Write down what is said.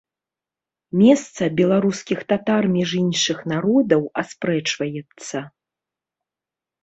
Месца беларускіх татар між іншых народаў аспрэчваецца.